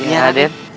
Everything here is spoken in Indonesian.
paman ini raden